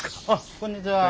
こんにちは。